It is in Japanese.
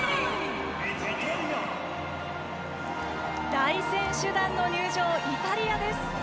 大選手団の入場イタリアです。